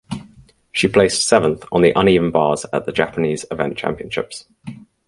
She placed seventh on the uneven bars at the Japanese Event Championships.